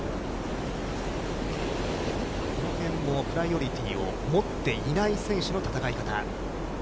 この辺もプライオリティーを持っていない選手の戦い方。